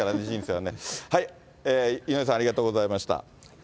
はい、井上さん、ありがとうございました。